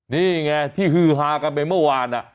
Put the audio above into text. นี่ไงที่ฮือฮากันไปเมื่อวาน